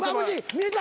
見えた？